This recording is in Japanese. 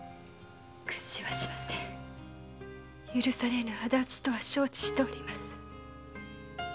許されぬ敵討ちとは承知しております。